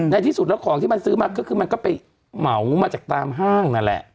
ที่สุดแล้วของที่มันซื้อมาก็คือมันก็ไปเหมามาจากตามห้างนั่นแหละ